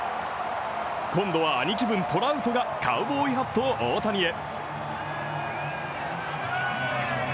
今度は兄貴分、トラウトがカウボーイハットを大谷へ。